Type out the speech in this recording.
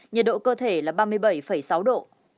nhiệt độ cơ thể là ba mươi bảy sáu độ